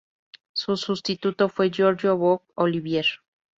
Su sustituto fue Giorgio Borg Olivier.